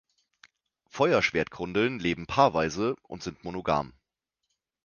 Feuer-Schwertgrundeln leben paarweise und sind monogam.